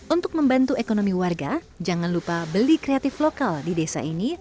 untuk membantu ekonomi warga jangan lupa beli kreatif lokal di desa ini